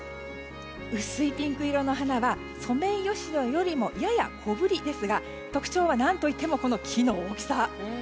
薄いピンク色の花はソメイヨシノよりもやや小ぶりですが特徴は何といっても木の大きさ。